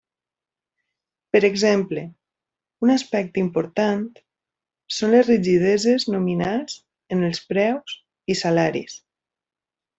Per exemple, un aspecte important són les rigideses nominals en els preus i salaris.